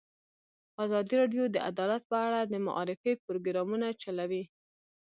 ازادي راډیو د عدالت په اړه د معارفې پروګرامونه چلولي.